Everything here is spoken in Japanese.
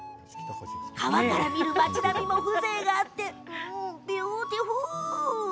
川から見る町並みも風情があってビューティフル！